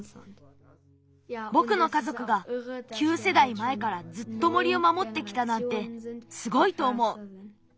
ぼくのかぞくが９せだいまえからずっと森を守ってきたなんてすごいとおもう。